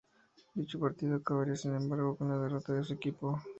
Dicho partido acabaría sin embargo con la derrota de su equipo.